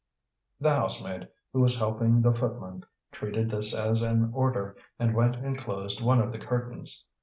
The housemaid, who was helping the footman, treated this as an order and went and closed one of the curtains.